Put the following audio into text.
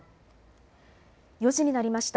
４時になりました。